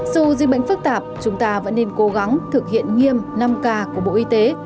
dù dịch bệnh phức tạp chúng ta vẫn nên cố gắng thực hiện nghiêm năm k của bộ y tế